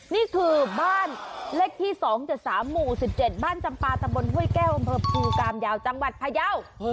นี่คือบ้านเลขที่๒๗๓หมู่๑๗บ้านจำปาตำบลห้วยแก้วอำเภอภูกามยาวจังหวัดพยาว